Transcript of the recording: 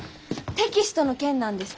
テキストの件なんですけど。